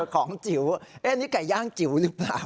ของจิ๋วนี่ไก่ย่างจิ๋วหรือเปล่า